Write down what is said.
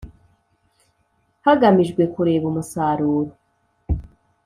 hagamijwe kureba umusaruro